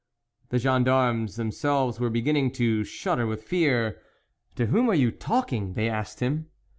The gendarmes themselves were be ginning to shudder with fear. " To whom are you talking ?" they asked him.